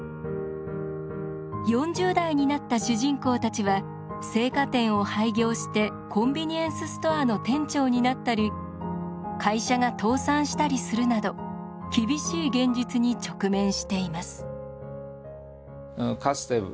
４０代になった主人公たちは青果店を廃業してコンビニエンスストアの店長になったり会社が倒産したりするなど厳しい現実に直面しています。